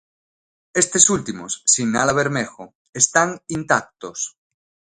Estes últimos, sinala Bermejo, están intactos.